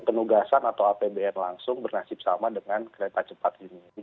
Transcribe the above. penugasan atau apbn langsung bernasib sama dengan kereta cepat ini